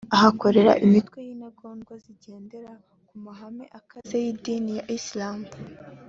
ahakorera imitwe y’intagondwa zigendera ku mahame akaze y’idini ya kisilamu